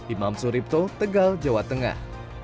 imam suripto tegal jawa tengah